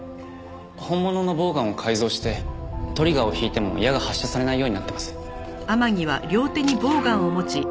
本物のボウガンを改造してトリガーを引いても矢が発射されないようになってます。